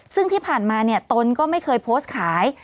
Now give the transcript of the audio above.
ซึ่งที่ผ่านมาตนก็ไม่เคยโพสต์ขาย